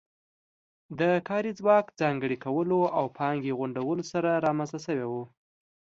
د کاري ځواک ځانګړي کولو او پانګې غونډولو سره رامنځته شوې وه